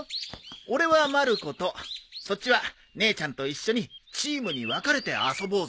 俺はまる子とそっちは姉ちゃんと一緒にチームに分かれて遊ぼうぜ。